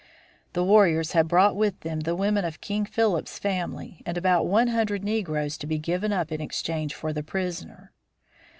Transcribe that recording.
The warriors had brought with them the women of King Philip's family, and about one hundred negroes to be given up in exchange for the prisoner.